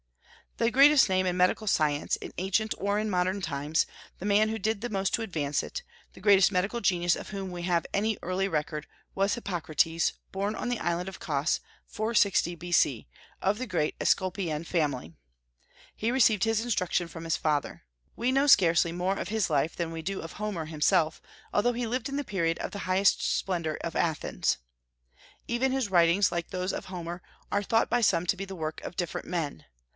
The greatest name in medical science in ancient or in modern times, the man who did the most to advance it, the greatest medical genius of whom we have any early record, was Hippocrates, born on the island of Cos, 460 B.C., of the great Aesculapian family. He received his instruction from his father. We know scarcely more of his life than we do of Homer himself, although he lived in the period of the highest splendor of Athens. Even his writings, like those of Homer, are thought by some to be the work of different men.